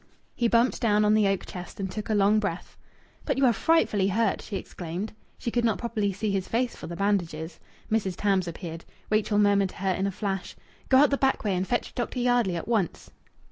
He bumped down on the oak chest, and took a long breath. "But you are frightfully hurt!" she exclaimed. She could not properly see his face for the bandages. Mrs. Tams appeared. Rachel murmured to her in a flash "Go out the back way and fetch Dr. Yardley at once."